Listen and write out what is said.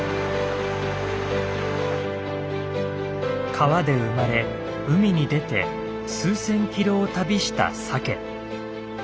川で生まれ海に出て数千キロを旅したサケ。